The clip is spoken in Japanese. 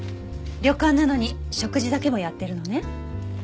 旅館なのに食事だけもやってるのね。